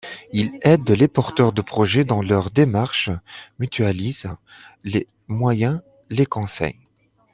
Il aide les porteurs de projets dans leurs démarches, mutualise les moyens, les conseils.